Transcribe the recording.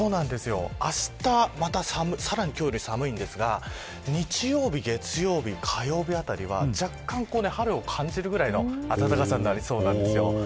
あした、今日より寒いんですが日曜日、月曜日、火曜日あたりは若干、春を感じるぐらいの暖かさになりそうなんです。